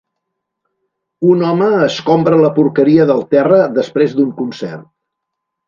Un home escombra la porqueria del terra després d'un concert.